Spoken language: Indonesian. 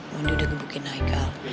mondi udah gebukin haikal